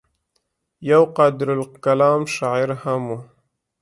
يو قادرالکلام شاعر هم وو